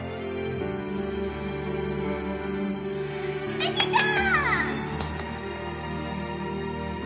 できたー！